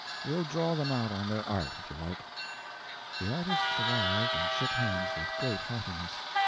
We'll draw them out on their art, if you like." The artists arrived and shook hands with great heartiness.